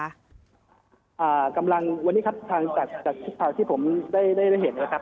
อ่ากำลังวันนี้ครับจากที่ผมได้เห็นนะครับ